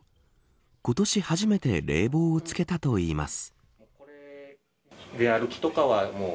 今年初めて冷房をつけたといいます。